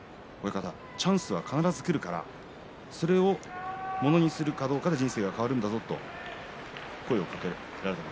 チャンスは必ずくるからそれをものにするかどうかで人生が変わるんだぞと声をかけられたと。